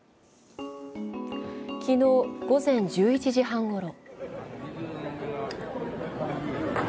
昨日午前１１時半ごろ。